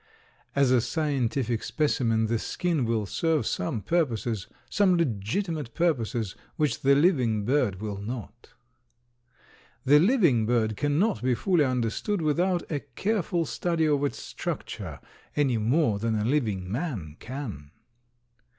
As a scientific specimen the skin will serve some purposes, some legitimate purposes, which the living bird will not. The living bird cannot be fully understood without a careful study of its structure any more than a living man can.